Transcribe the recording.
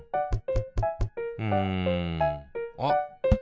うんあっ！